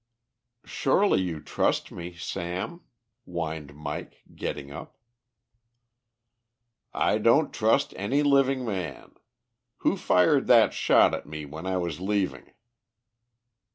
"Surely you trust me, Sam," whined Mike, getting up. "I don't trust any living man. Who fired that shot at me when I was leaving?"